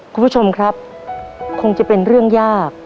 คุณผู้ชมครับคงจะเป็นเรื่องยาก